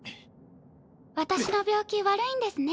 私の病気悪いんですね。